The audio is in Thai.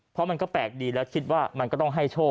เพราะมันก็แปลกดีแล้วคิดว่ามันก็ต้องให้โชค